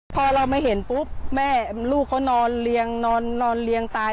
พอเรามาเห็นปุ๊บลูกเขานอนเรียงตาย